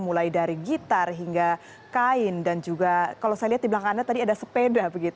mulai dari gitar hingga kain dan juga kalau saya lihat di belakang anda tadi ada sepeda